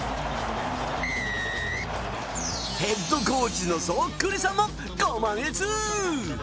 ヘッドコーチのそっくりさんもご満悦！